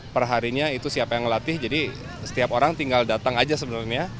perharinya itu siapa yang ngelatih jadi setiap orang tinggal datang aja sebenarnya